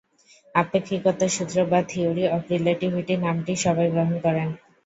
আপেক্ষিকতার সূত্র বা theory of relativity নামটিই সবাই গ্রহণ করেন।